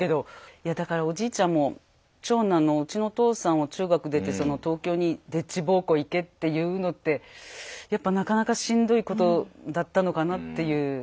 いやだからおじいちゃんも長男のうちのお父さんを中学出て東京にでっち奉公行けって言うのってやっぱなかなかしんどいことだったのかなっていう。